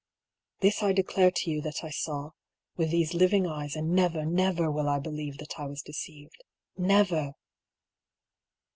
(This I declare to you that I saw, with these living eyes, and never, never will I believe that I was deceived. Never